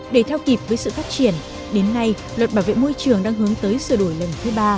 để theo kịp với sự phát triển đến nay luật bảo vệ môi trường đang hướng tới sửa đổi lần thứ ba